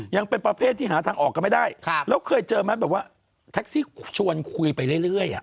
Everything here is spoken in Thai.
ยังเป็นประเภทที่หาทางออกกันไม่ได้แล้วเคยเจอไหมแบบว่าแท็กซี่ชวนคุยไปเรื่อย